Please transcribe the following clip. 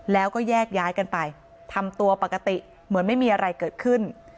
แล้วก็แยกย้ายกันไปทำตัวปกติเหมือนไม่มีอะไรเกิดขึ้น